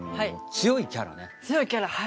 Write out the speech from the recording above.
強いキャラはい。